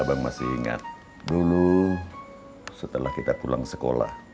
abang masih ingat dulu setelah kita pulang sekolah